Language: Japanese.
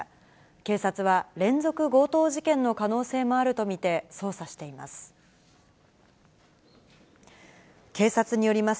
警察は、連続強盗事件の可能性もあると見て捜査しています。